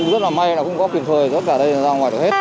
rất là may là cũng có quyền khơi tất cả đây ra ngoài được hết